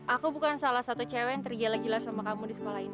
aku bukan salah satu cewe yang terjele jele sama kamu di sekolah ini